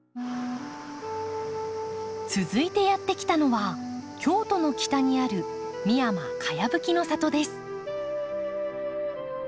続いてやって来たのは京都の北にある３９棟のかやぶき